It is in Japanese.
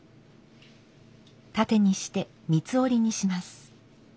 縦にして三つ折りにします。